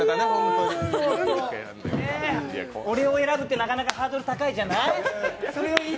俺を選ぶってなかなかハードル高いじゃない？